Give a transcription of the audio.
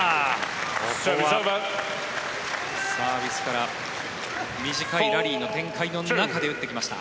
ここはサービスから短いラリーの展開の中で打ってきました。